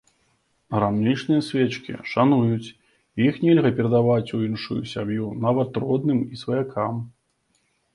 Грамнічныя свечкі шануюць, іх нельга перадаваць у іншую сям'ю, нават родным і сваякам.